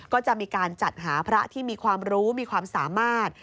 ก็จะมีการจัดหาพระที่มีความรู้มีความสามารถ